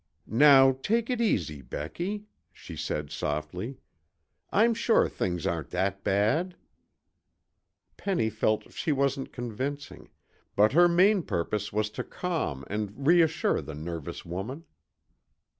"Now take it easy, Becky," she said softly. "I'm sure things aren't that bad." Penny felt she wasn't convincing, but her main purpose was to calm and reassure the nervous woman.